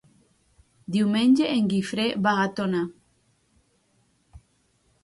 Diumenge en Guifré va a Tona.